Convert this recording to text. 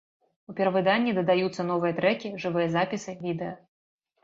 У перавыданні дадаюцца новыя трэкі, жывыя запісы, відэа.